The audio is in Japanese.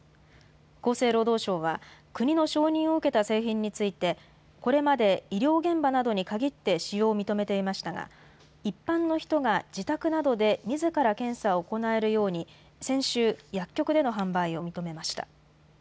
厚生労働省は、国の承認を受けた製品について、これまで医療現場などに限って使用を認めていましたが、一般の人が自宅などでみずから検査を行えるように、先週、薬局での販売を認めました。